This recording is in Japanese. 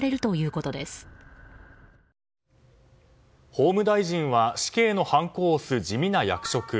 法務大臣は死刑のはんこを押すだけの地味な役職。